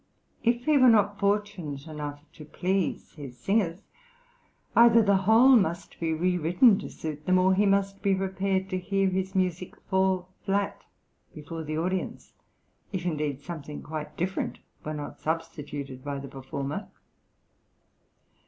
If he were not fortunate enough to please his singers, either the whole must be rewritten to suit them, or he must be prepared to hear his music fall flat before the audience, if indeed something quite different were not substituted by the performer.